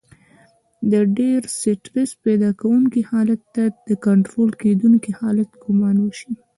د ډېر سټرس پيدا کوونکي حالت ته د کنټرول کېدونکي حالت ګمان وشي.